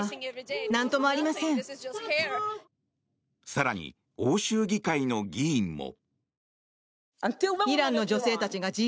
更に欧州議会の議員も。